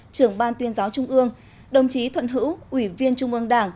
trưởng ban tuyên giáo trung ương đồng chí thuận hữu ủy viên trung ương đảng